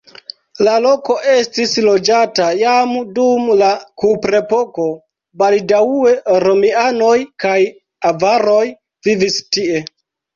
La loko estis loĝata jam dum la kuprepoko, baldaŭe romianoj kaj avaroj vivis tie.